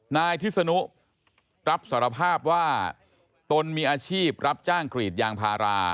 นายพิษนุรับสารภาพว่าตนมีอาชีพรับจ้างกรีดยางพารา